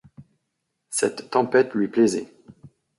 Cette tempête lui plaisait.